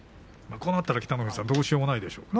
こうなったら北の富士さんどうしようもないですね。